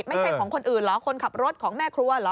ไม่ใช่ของคนอื่นเหรอคนขับรถของแม่ครัวเหรอ